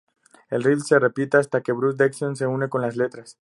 El riff se repite hasta que Bruce Dickinson se une con las letras.